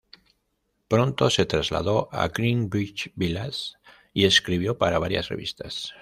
Pronto se trasladó a Greenwich Village y escribió para varias revistas.